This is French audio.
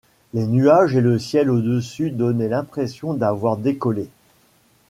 Les nuages et le ciel au-dessus donnaient l'impression d'avoir décollé.